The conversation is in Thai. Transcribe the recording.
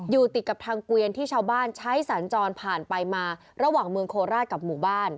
อยู่ติดกับทางเกวียนที่ชาวบ้านใช้สัญจรผ่านไปมาระหว่างเมืองโคราชกับหมู่บ้าน